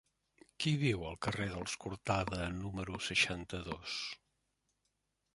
Qui viu al carrer dels Cortada número seixanta-dos?